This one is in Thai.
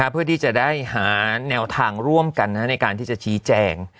เพื่อที่จะได้หาแนวทางร่วมกันในการที่จะชี้แจง